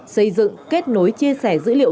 xây dựng kết nối chia sẻ dữ liệu